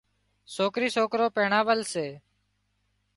سوڪري سوڪرو پينڻاول سي